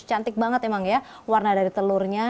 cantik banget emang ya warna dari telurnya